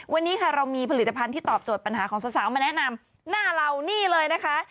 วันนี้ค่ะเรามีผลิตภัณฑ์ที่ตอบโจทย์ปัญหาของสาวมาแนะนำหน้าเรานี่เลยนะคะ